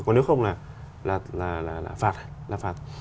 còn nếu không là phạt